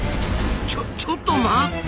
ちょちょっと待った！